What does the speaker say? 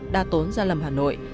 đa tốn gia lâm hà nội